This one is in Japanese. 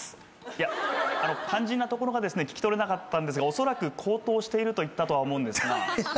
いや肝心なところがですね聞き取れなかったんですがおそらく「高騰している」と言ったとは思うんですが。